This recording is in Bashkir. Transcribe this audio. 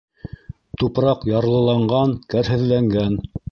Тупраҡ ярлыланған, кәрһеҙләнгән.